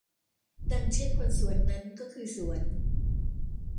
ดังเช่นคนสวนนั้นก็คือสวน